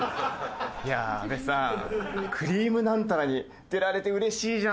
いやあ阿部さん『くりぃむナンタラ』に出られてうれしいじゃないですか！